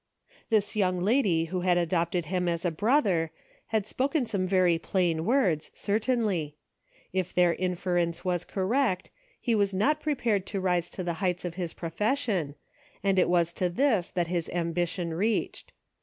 This young lady who had adopted him as a brother, had spoken some very plain words, cer tainly. If their inference was correct, he was not prepared to rise to the heights of his profession, and it was to this that his ambition reached.